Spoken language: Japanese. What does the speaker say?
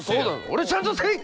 俺ちゃんとせい！